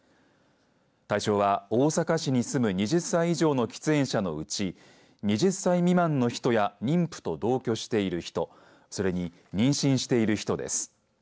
対象は大阪市に住む２０歳以上の喫煙者のうち２０歳未満の人や妊婦と同居している人それに妊娠している人です。